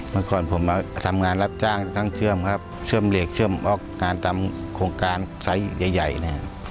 เมื่อก่อนผมมาทำงานรับจ้างทั้งเชื่อมครับเชื่อมเหล็กเชื่อมออกงานตามโครงการไซส์ใหญ่นะครับ